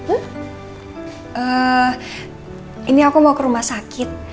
uh ini aku mau ke rumah sakit